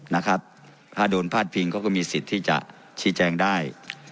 นะครับถ้าโดนพาดพิงเขาก็มีสิทธิ์ที่จะชี้แจงได้